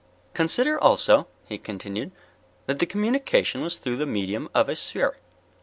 "Consider also," he continued, "that the communication was through the medium of a sphere.